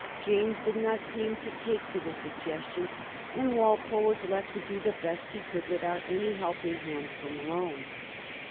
James did not seem to take to the suggestion, and Walpole was left to do the best he could without any helping hand from Rome.